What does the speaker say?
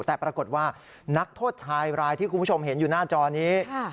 แต่ปรากฏว่านักโทษชายรายที่คุณผู้ชมเห็นอยู่หน้าจอนี้